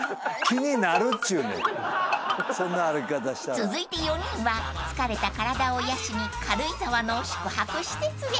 ［続いて４人は疲れた体を癒やしに軽井沢の宿泊施設へ］